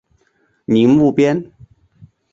宁木边。